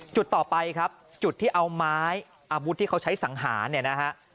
จุดต่อไปครับจุดที่เอาไม้อาวุธที่เขาใช้สังหารเนี่ยนะฮะ